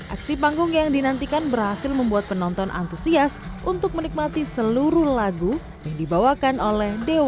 aksi panggung yang dinantikan berhasil membuat penonton antusias untuk menikmati seluruh lagu yang dibawakan oleh dewan